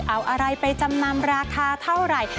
เอาอะไรไปจำนำราคาเท่าไหร่